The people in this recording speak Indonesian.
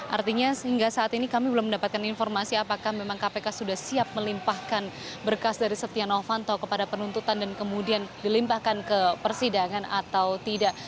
artinya sehingga saat ini kami belum mendapatkan informasi apakah memang kpk sudah siap melimpahkan berkas dari setia novanto kepada penuntutan dan kemudian dilimpahkan ke persidangan atau tidak